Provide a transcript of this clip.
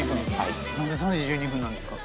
何で「３時１２分」なんですか？